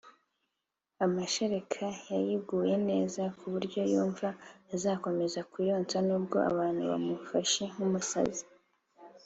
amashereka yayiguye neza ku buryo yumva azakomeza kuyonsa n’ubwo abantu bamufashe nk’umusazi